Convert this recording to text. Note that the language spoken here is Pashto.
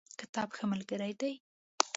کتاب ښه ملګری دی